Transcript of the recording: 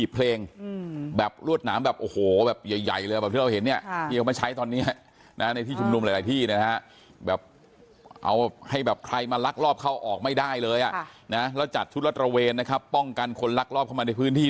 ป้องกันคนรักรอบเข้ากันไว้ฟรืนที่